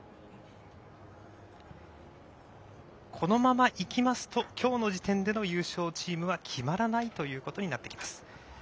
このままいきますと今日の時点での優勝チームは決まらないということになってきます。